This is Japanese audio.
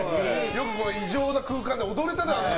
よく異常な空間で踊れたね。